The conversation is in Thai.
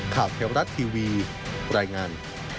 ข่าวเทวรัฐทีวีรายงาน